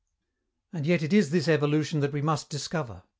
And yet it is this evolution that we must discover.